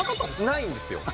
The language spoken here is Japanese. ないんですよ。